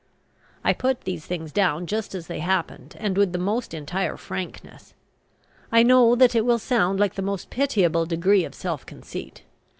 I put these things down just as they happened, and with the most entire frankness. I know that it will sound like the most pitiable degree of self conceit.